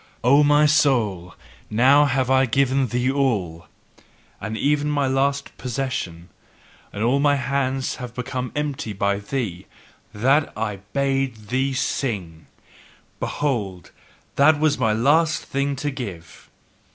O my soul, now have I given thee all, and even my last possession, and all my hands have become empty by thee: THAT I BADE THEE SING, behold, that was my last thing to give!